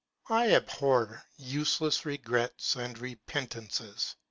I abhor useless regrets and repentances.